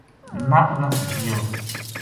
نپ نہ سکیو